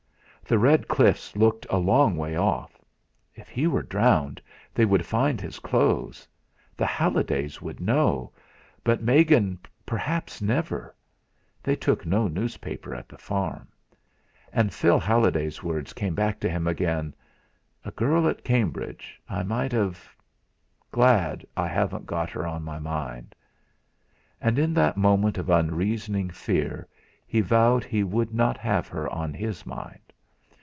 The red cliffs looked a long way off. If he were drowned they would find his clothes. The Hallidays would know; but Megan perhaps never they took no newspaper at the farm. And Phil Halliday's words came back to him again: "A girl at Cambridge I might have Glad I haven't got her on my mind!" And in that moment of unreasoning fear he vowed he would not have her on his mind.